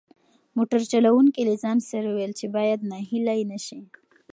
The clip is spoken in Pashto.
موټر چلونکي له ځان سره وویل چې باید ناهیلی نشي.